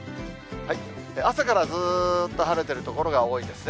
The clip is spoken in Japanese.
朝からずーっと晴れてる所が多いですね。